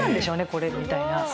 これ」みたいな。